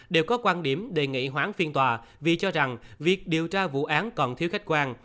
đều có quan điểm đề nghị hoãn phiên tòa vì cho rằng việc điều tra vụ án còn thiếu khách quan